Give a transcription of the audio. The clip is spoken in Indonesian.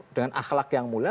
dengan akhlak yang mulia